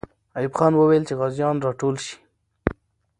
ایوب خان وویل چې غازیان راټول سي.